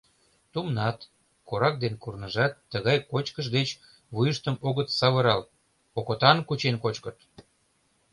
Тумнат, корак ден курныжат тыгай кочкыш деч вуйыштым огыт савырал, окотан кучен кочкыт.